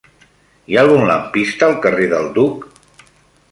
Hi ha algun lampista al carrer del Duc?